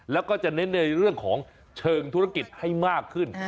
แล้วก็จะเน้นในเรื่องของเชิงธุรกิจให้มากขึ้น